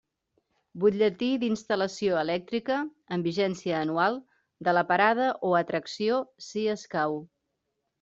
Butlletí d'instal·lació elèctrica, amb vigència anual, de la parada o atracció, si escau.